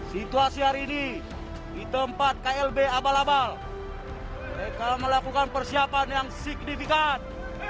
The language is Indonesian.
situasi hari ini di tempat klb abal abal mereka melakukan persiapan yang signifikan